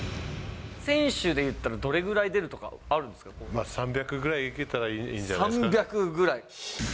選手でいったらどれぐらい出３００ぐらいいけたらいいん３００ぐらい？